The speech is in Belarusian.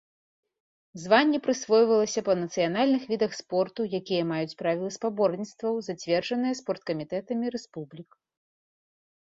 Званне прысвойвалася па нацыянальных відах спорту, якія маюць правілы спаборніцтваў, зацверджаныя спорткамітэтамі рэспублік.